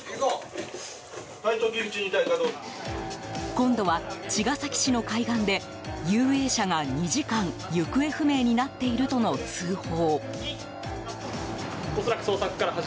今度は茅ヶ崎市の海岸で遊泳者が２時間行方不明になっているとの通報。